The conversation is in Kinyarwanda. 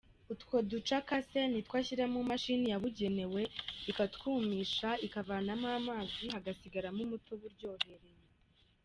Utwo duce akase nitwo ashyira mu mashini yabugewe, ikatwumisha ikavanamo amazi hagasigaramo umutobe uryohereye.